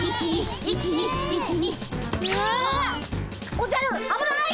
おじゃるあぶない！